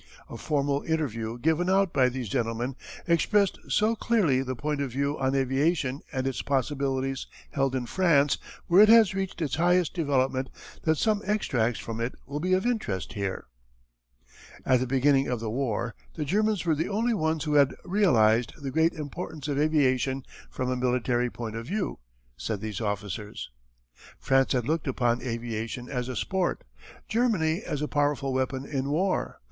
A formal interview given out by these gentlemen expressed so clearly the point of view on aviation and its possibilities held in France where it has reached its highest development that some extracts from it will be of interest here: "At the beginning of the war the Germans were the only ones who had realized the great importance of aviation from a military point of view," said these officers. "France had looked upon aviation as a sport, Germany as a powerful weapon in war.